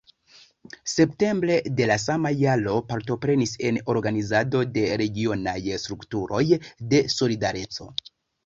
Septembre de la sama jaro partoprenis en organizado de regionaj strukturoj de "Solidareco".